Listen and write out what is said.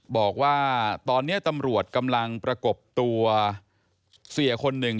บอกว่าตอนนี้ตำรวจกำลังประกบตัวเสียคนหนึ่ง